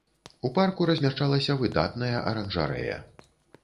У парку размяшчалася выдатная аранжарэя.